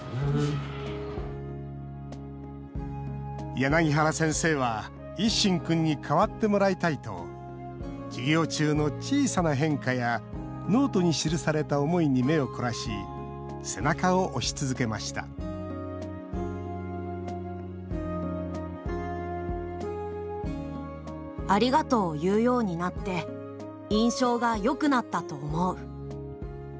柳原先生は一心君に変わってもらいたいと授業中の小さな変化やノートに記された思いに目を凝らし背中を押し続けました「ありがとうを言うようになって印象がよくなったと思う」。